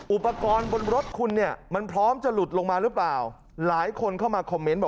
อุปกรณ์บนรถคุณเนี่ยมันพร้อมจะหลุดลงมาหรือเปล่าหลายคนเข้ามาคอมเมนต์บอก